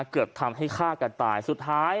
เกือบทำให้ฆ่ากันตายสุดท้าย